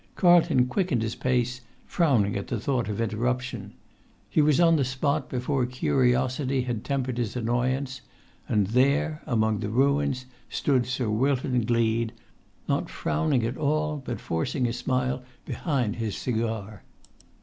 Carlton quickened his pace, frowning at the thought of interruption; he was on the spot before curiosity had tem[Pg 121]pered his annoyance; and there among the ruins stood Sir Wilton Gleed, not frowning at all, but forcing a smile behind his cigar.